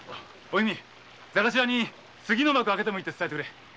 座頭に次の幕を開けてもいいって伝えてくれ。